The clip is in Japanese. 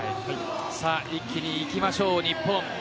一気にいきましょう、日本。